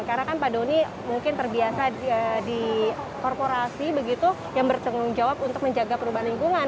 karena kan pak doni mungkin terbiasa di korporasi begitu yang bertanggung jawab untuk menjaga perubahan lingkungan